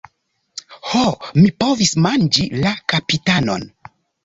Ho, mi povis manĝi la kapitanon.